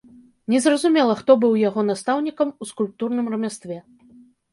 Незразумела, хто быў яго настаўнікам у скульптурным рамястве.